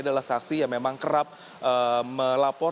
adalah saksi yang memang kerap melapor